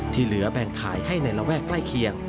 ที่เหลือแบ่งขายให้ในระแวกใกล้เคียง